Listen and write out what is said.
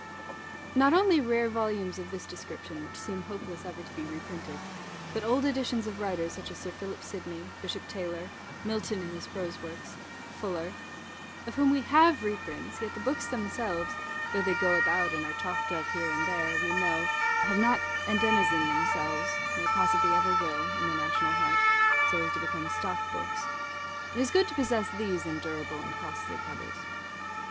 Not only rare volumes of this description, which seem hopeless ever to be reprinted; but old editions of writers, such as Sir Philip Sydney, Bishop Taylor, Milton in his prose works, Fuller of whom we have reprints, yet the books themselves, though they go about, and are talked of here and there, we know, have not endenizened themselves (nor possibly ever will) in the national heart, so as to become stock books it is good to possess these in durable and costly covers.